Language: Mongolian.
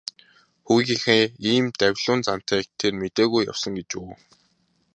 Хүүгийнхээ ийм давилуун зантайг тэр мэдээгүй явсан гэж үү.